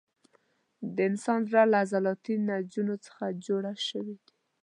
د انسان زړه له عضلاتي نسجونو څخه جوړ شوی دی.